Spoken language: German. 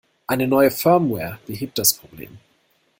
Eine neue Firmware behebt das Problem.